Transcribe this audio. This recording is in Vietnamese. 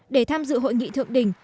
để tham dự hội nghị thượng đỉnh